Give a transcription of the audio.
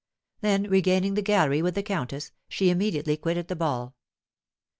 Then, regaining the gallery with the countess, she immediately quitted the ball.